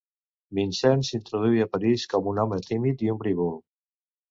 Vincent s'introduí a París com un home tímid i ombrívol.